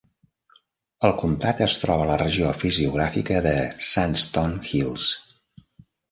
El comtat es troba a la regió fisiogràfica de Sandstone Hills.